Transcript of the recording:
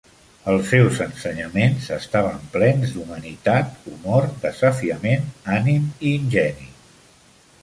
Els seus ensenyaments estaven plans d"humanitat, humor, desafiament, ànim i ingeni.